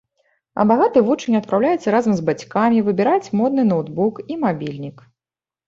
А багаты вучань адпраўляецца разам з бацькамі выбіраць модны ноўтбук і мабільнік.